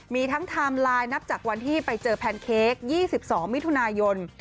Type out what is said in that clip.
มีทั้งไทม์ไลน์นับจากวันที่ไปเจอแพนเค้ก๒๒มิถุนายน